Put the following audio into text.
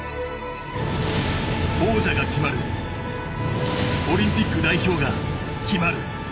王者が決まるオリンピック代表が決まる。